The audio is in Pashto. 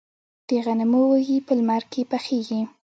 د غنمو وږي په لمر کې پخیږي.